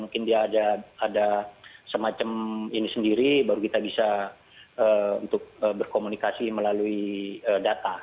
mungkin dia ada semacam ini sendiri baru kita bisa untuk berkomunikasi melalui data